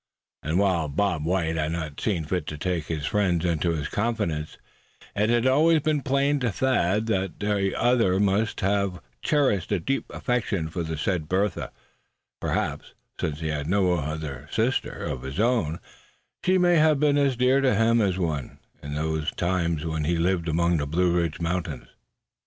And while Bob White had not seen fit to take his friend into his confidence it had always been plain to Thad that the other must have cherished a deep affection for the said Bertha; perhaps, since he had no sister of his own, she may have been as dear to him as one, in those times when he lived among the Blue Ridge mountains.